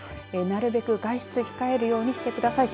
なるべく外出は控えるようにしてください。